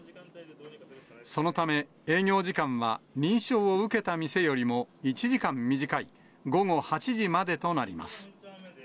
そのため、営業時間は認証を受けた店よりも１時間短い午後８時までとなります。